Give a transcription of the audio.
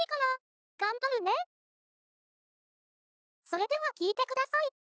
それでは聴いて下さい。